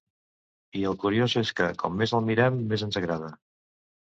I el curiós és que com més el mirem més ens agrada.